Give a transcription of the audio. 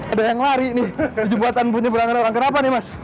ada yang lari nih jembatan penyeberangan orang kenapa nih mas